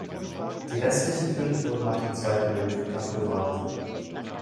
Die restlichen fünf wurden nach dem Zweiten Weltkrieg abgewrackt.